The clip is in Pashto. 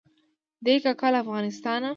دی کاکا له افغانستانه.